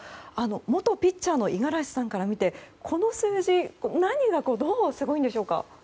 元ピッチャーの五十嵐さんから見てこの数字は何がどうすごいんでしょうか。